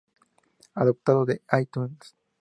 Adaptado de iTunes.